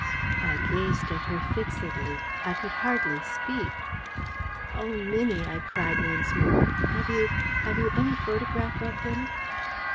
I gazed at her fixedly. I could hardly speak. "Oh, Minnie!" I cried once more, "have you ... have you any photograph of him?"